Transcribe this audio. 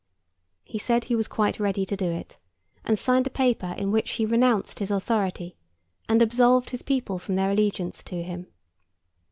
He said he was quite ready to do it, and signed a paper in which he renounced his authority and absolved his people from their allegiance to him.